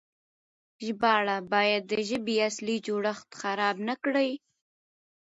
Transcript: ژباړه بايد د ژبې اصلي جوړښت خراب نه کړي.